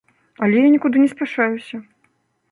Але я нікуды не спяшаюся.